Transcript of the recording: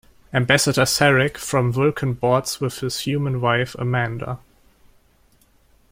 Ambassador Sarek from Vulcan boards with his human wife Amanda.